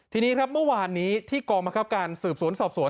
ทีนี้ครับเมื่อวานนี้ที่กองบังคับการสืบสวนสอบสวน